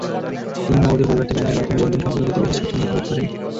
তিনি নগদের পরিবর্তে ব্যাংকের মাধ্যমে লেনদেন সম্পন্ন করতে বেশি স্বাচ্ছন্দ্য বোধ করেন।